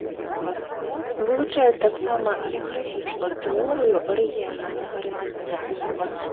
Вылучаюць таксама геаграфічную тэорыю рэгіянальнага развіцця.